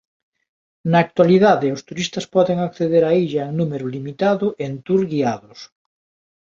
Na actualidade os turistas poden acceder á illa en número limitado en tour guiados.